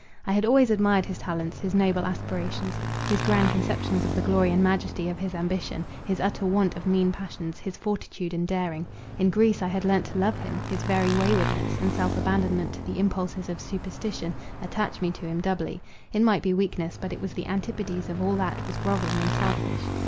I had always admired his talents; his noble aspirations; his grand conceptions of the glory and majesty of his ambition: his utter want of mean passions; his fortitude and daring. In Greece I had learnt to love him; his very waywardness, and self abandonment to the impulses of superstition, attached me to him doubly; it might be weakness, but it was the antipodes of all that was grovelling and selfish.